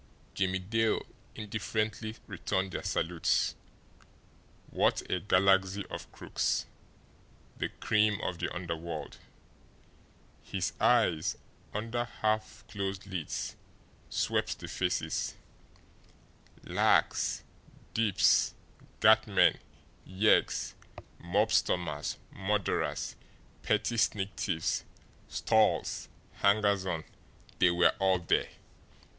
Jimmie Dale indifferently returned their salutes. What a galaxy of crooks the cream of the underworld! His eyes, under half closed lids, swept the faces lags, dips, gatmen, yeggs, mob stormers, murderers, petty sneak thieves, stalls, hangers on they were all there.